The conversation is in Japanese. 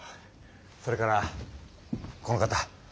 それからこの方。